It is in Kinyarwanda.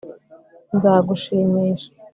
nzagushimisha